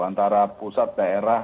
antara pusat daerah